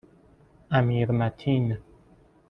امیرمتین